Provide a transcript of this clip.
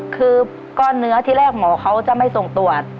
คือก้อนเนื้อที่แรกหมอเขาจะไม่ส่งตรวจ